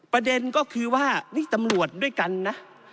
ประเด็นก็คือว่านี่ตำรวจด้วยกันนะ